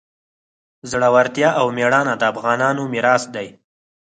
زړورتیا او میړانه د افغانانو میراث دی.